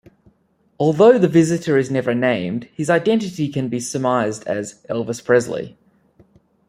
Although the Visitor is never named, his identity can be surmised as Elvis Presley.